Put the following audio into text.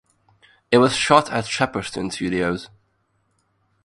It was shot at Shepperton Studios.